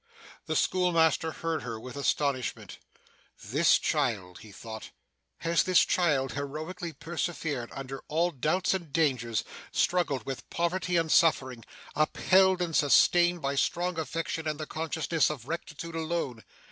The schoolmaster heard her with astonishment. 'This child!' he thought 'Has this child heroically persevered under all doubts and dangers, struggled with poverty and suffering, upheld and sustained by strong affection and the consciousness of rectitude alone!